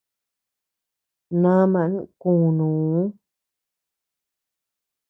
Naaman kunuu.